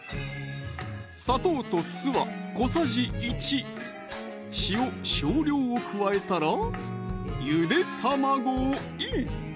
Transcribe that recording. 砂糖と酢は小さじ１塩少量を加えたらゆで卵をイン！